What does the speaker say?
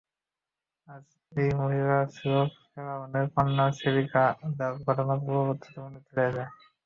আর এই মহিলাটিই ছিল ফিরআউনের কন্যার সেবিকা, যার ঘটনা পূর্বেই বর্ণিত হয়েছে।